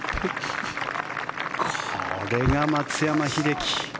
これが松山英樹。